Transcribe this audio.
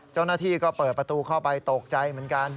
เจ้าหน้าที่ก็เปิดประตูเข้าไปตกใจเหมือนกัน